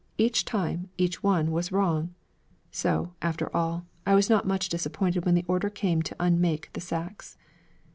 _ each time each one was wrong!' So, after all, I was not much disappointed when the order came to unmake the sacks.